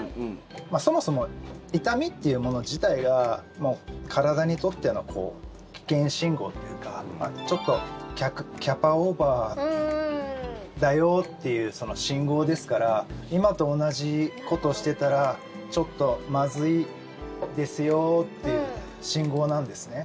そもそも痛みっていうもの自体が体にとっての危険信号というかちょっとキャパオーバーだよっていう信号ですから今と同じことをしていたらちょっとまずいですよっていう信号なんですね。